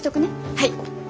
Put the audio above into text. はい！